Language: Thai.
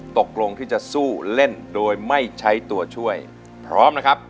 ตกลงที่จะสู้เล่นโดยไม่ใช้ตัวช่วยพร้อมนะครับ